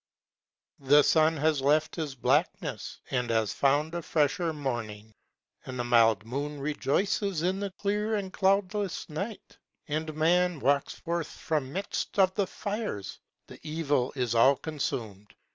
The sun has left his blackness and has found a fresher morning, And the mild moon rejoices in the clear and cloudless night, And Man walks forth from midst of the fires: the evil is all consum'd.